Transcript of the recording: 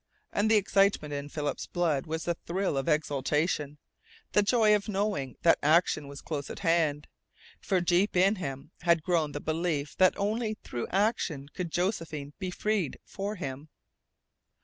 And the excitement in Philip's blood was the thrill of exultation the joy of knowing that action was close at hand, for deep in him had grown the belief that only through action could Josephine be freed for him.